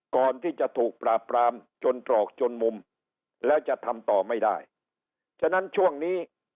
ก่อนที่จะถูกปราบปรามจนตรอกจนมุมและจะทำต่อไม่ได้